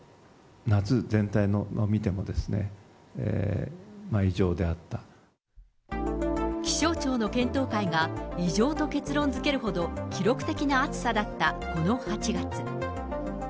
夏全体を見ても、気象庁の検討会が、異常と結論づけるほど、記録的な暑さだったこの８月。